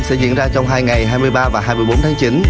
sẽ diễn ra trong hai ngày hai mươi ba và hai mươi bốn tháng chín